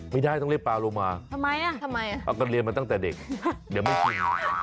ไม่ได้ต้องเรียกปลาโลมาทำไมเอากันเรียนมาตั้งแต่เด็กเดี๋ยวไม่กิน